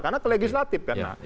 karena ke legislatif